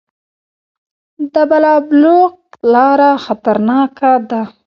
د بالابلوک لاره خطرناکه ده